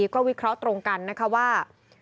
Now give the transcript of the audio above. ก็วิเคราะห์ตรงกันนะคะว่า